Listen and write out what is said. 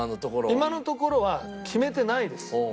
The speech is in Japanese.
今のところは決めてないです。